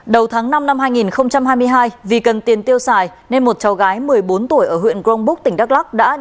đầu tháng năm năm hai nghìn hai mươi hai vì cần tiền tiêu xài nên một cháu gái một mươi bốn tuổi ở huyện grongbúc tỉnh đắk lắc